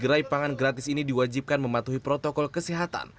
gerai pangan gratis ini diwajibkan mematuhi protokol kesehatan